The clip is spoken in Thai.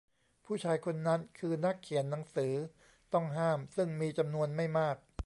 ผู้ชายคนนั้นคือนักเขียนหนังสือต้องห้ามซึ่งมีจำนวนไม่มาก